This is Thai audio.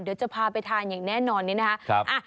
เดี๋ยวจะพาไปทานอย่างแน่นอนนี้นะคะ